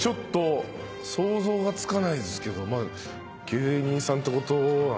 想像がつかないですけど芸人さんってことなのか。